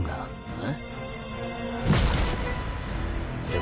え？